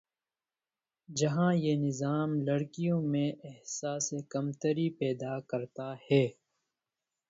جہاں یہ نظام لڑکیوں میں احساسِ کمتری پیدا کرتا ہے